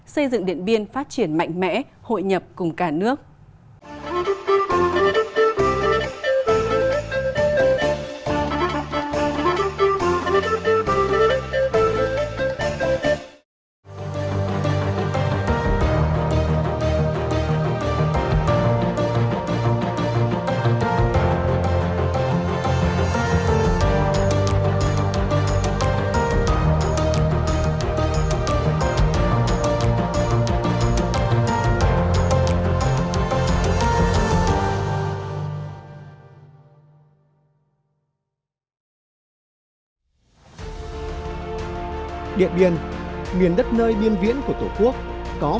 xây dựng điện biên phát triển mạnh mẽ hội nhập cùng cả nước